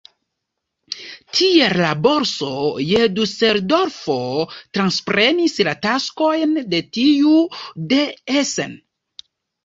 Tiel la borso je Duseldorfo transprenis la taskojn de tiu de Essen.